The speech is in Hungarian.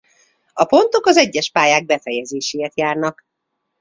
A pontok az egyes pályák befejezéséért járnak.